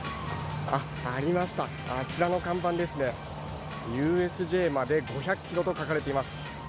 ありました、あちらの看板ですね、ＵＳＪまで５００ｋｍと書かれています。